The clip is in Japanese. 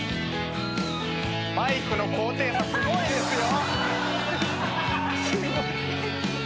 マイクの高低差すごいですよ。